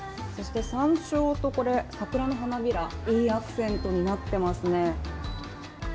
そしてさんしょうとこれ、桜の花びら、いいアクセントになってますね。